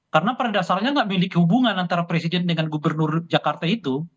karena pada dasarnya tidak memiliki hubungan antara presiden dengan gubernur jakarta itu